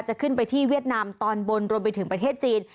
จะขึ้นไปที่เวียดนามตอนบนรวมไปถึงประเทศจีน